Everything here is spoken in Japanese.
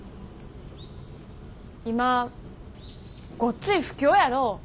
今ごっつい不況やろ。